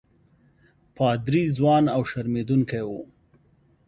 پادري ځوان او شرمېدونکی وو.